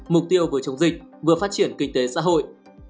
mục tiêu vừa chống dịch vừa phát triển kinh tế xã hội